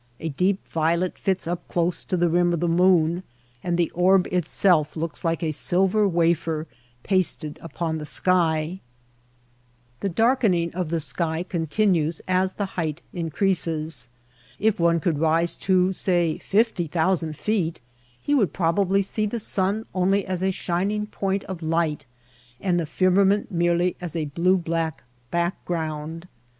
A deep violet fits up close to the rim of the moon, and the orb itself looks like a silver wafer pasted upon the sky. The darkening of the sky continues as the height increases. If one could rise to, say, fifty thousand feet, he would probably see the sun only as a shining point of light, and the firma ment merely as a blue black background.